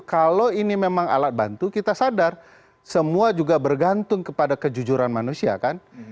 kalau ini memang alat bantu kita sadar semua juga bergantung kepada kejujuran manusia kan